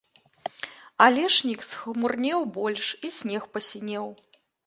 Алешнік схмурнеў больш, і снег пасінеў.